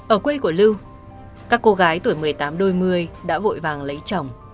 ở quê của lưu các cô gái tuổi một mươi tám đôi đã vội vàng lấy chồng